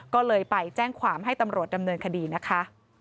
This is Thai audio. ก็เลยไปแจ้งความให้ตำรวจดำเนินคดีนะคะ